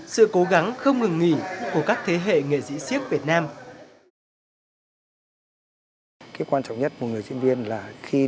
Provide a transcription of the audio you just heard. sự cố gắng không ngừng nghỉ